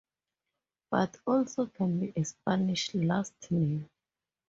But also can be a Spanish last name.